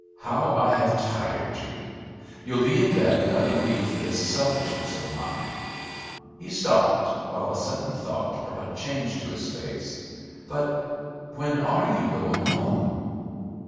How I have tired you! You'll be in bed another week for this selfishness of mine." He stopped, while a sudden thought brought a change to his face. "But when are you going home?"